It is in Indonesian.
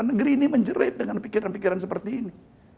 negeri ini menjerit dengan pikiran pikiran seperti ini